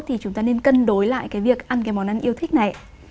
thì chúng ta nên cân đối lại cái việc ăn cái món ăn yêu thích này ạ